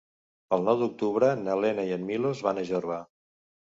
El nou d'octubre na Lena i en Milos van a Jorba.